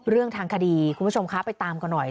เรื่องทางคดีคุณผู้ชมคะไปตามกันหน่อย